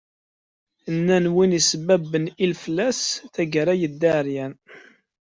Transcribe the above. Nnan wi isebbeben i leflas, tagara yedda εeryan.